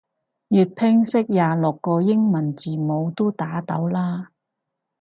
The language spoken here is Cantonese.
粵拼識廿六個英文字母都打到啦